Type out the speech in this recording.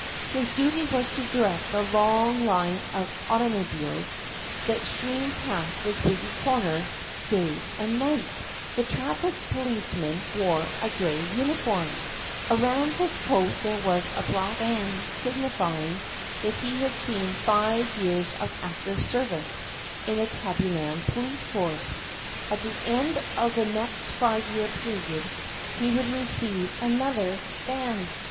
His duty was to direct the long line of automobiles that streamed past this busy corner day and night. The Lady Driver Scolding the Traffic Policeman THE PUSSYCAT PRINCESS 51 The traffic policeman wore a gray uniform. Around his coat there was a black band signifying that he had seen five years of active service in the Tabbyland police force. At the end of the next five year period he would receive another band.